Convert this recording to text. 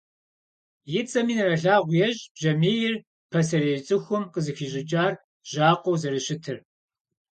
И цӀэми нэрылъагъу ещӀ бжьамийр пасэрей цӀыхум къызыхищӀыкӀар бжьакъуэу зэрыщытыр.